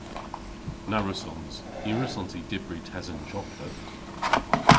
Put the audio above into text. Na wrussons. Ny wrussons i dybri tesen joklet.